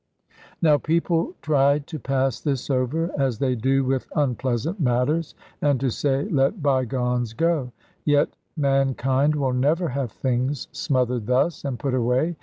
Now people tried to pass this over, as they do with unpleasant matters, and to say, "let bygones go;" yet mankind will never have things smothered thus, and put away.